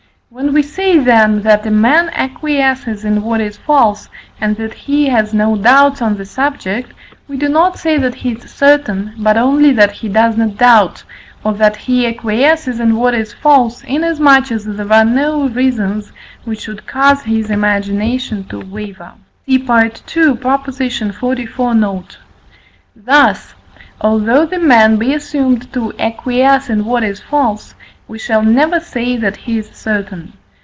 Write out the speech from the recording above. When we say, then, that a man acquiesces in what is false, and that he has no doubts on the subject, we do not say that he is certain, but only that he does not doubt, or that he acquiesces in what is false, inasmuch as there are no reasons, which should cause his imagination to waver (see II. xliv. note). Thus, although the man be assumed to acquiesce in what is false, we shall never say that he is certain.